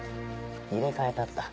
入れ替えたった。